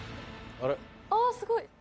あすごい。